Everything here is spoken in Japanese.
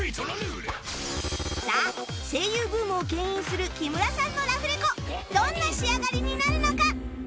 さあ声優ブームを牽引する木村さんのラフレコどんな仕上がりになるのか？